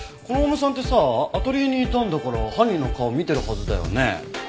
このオウムさんってさアトリエにいたんだから犯人の顔見てるはずだよね？